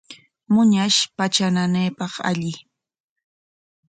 Muñash patra nanaypaqqa alli.